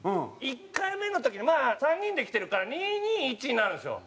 １回目の時３人で来てるから２２１になるんですよ。